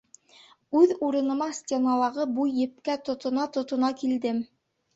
Үҙ урыныма стеналағы буй епкә тотона-тотона килдем.